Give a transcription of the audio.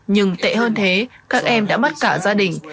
nhưng tệ hơn thế các em đã mất cả gia đình